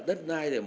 đất nay thì màu mỡ